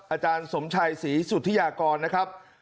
อาจารย์สมชัยศรีสุธิยากรนะครับ